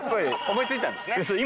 思い付いたんですね。